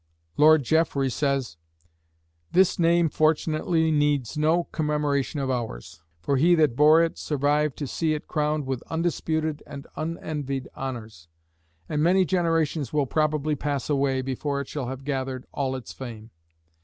Lord Jeffrey says: This name fortunately needs no commemoration of ours; for he that bore it survived to see it crowned with undisputed and unenvied honors; and many generations will probably pass away, before it shall have gathered "all its fame."